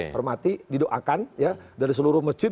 hormati didoakan ya dari seluruh masjid